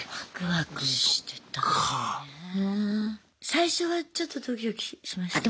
最初はちょっとドキドキしました？